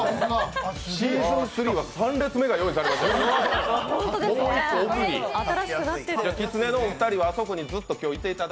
Ｓｅａｓｏｎ３は３列目が用意されました。